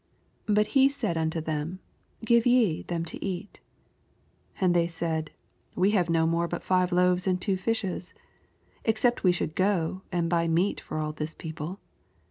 13 Bat he said onto them. Give ye them to eat. And they Ba? d, We have no more but five loaves and two fishes ; exceT)t we should go and buy meat for ail this people.